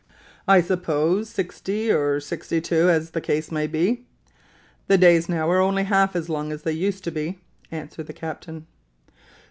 "I suppose sixty or sixty two, as the case may be. The days now are only half as long as they used to be," answered the captain.